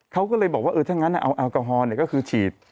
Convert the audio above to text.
เขาก็เลยบอกว่าเออถ้างั้นเอาแอลกอฮอลก็คือฉีด